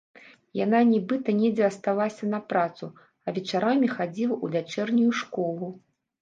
Яна нібыта недзе асталася на працу, а вечарамі хадзіла ў вячэрнюю школу.